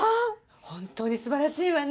本当にすばらしいわね。